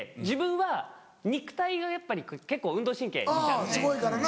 自分は肉体がやっぱり結構運動神経自信あるんで。